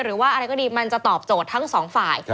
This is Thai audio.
หรือว่าอะไรก็ดีมันจะตอบโจทย์ทั้งสองฝ่าย